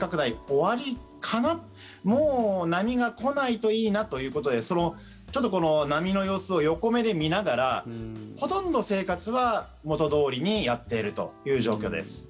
終わりかな、もう波が来ないといいなということで波の様子を横目で見ながらほとんど生活は元どおりにやっているという状況です。